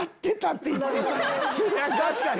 確かに。